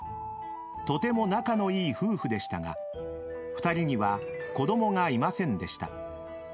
［とても仲のいい夫婦でしたが２人には子供がいませんでした］